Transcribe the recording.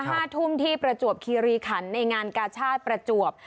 ห้าทุ่มที่ประจวบคีรีขันในงานกาชาติประจวบ